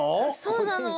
そうなの。